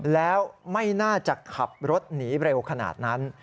แล้วไม่น่าจะขับรถหนีเร็วขนาดนั้น